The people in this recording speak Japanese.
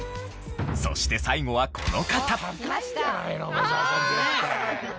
そして最後はこの方。